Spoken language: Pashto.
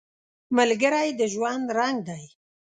ملګری د ژوند رنګ دی